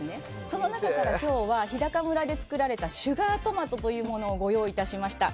その中から、今日は日高村で作られたシュガートマトというものをご用意しました。